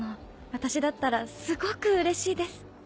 私だったらすごく嬉しいです。